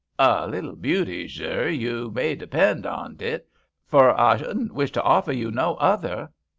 " A litde beauty, zur, you may depend on 't, fur I shouldn't wish to offer you no other."